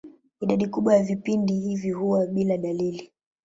Idadi kubwa ya vipindi hivi huwa bila dalili.